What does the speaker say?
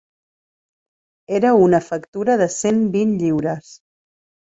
Era una factura de cent vint lliures.